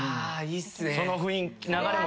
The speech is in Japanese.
いいっすね。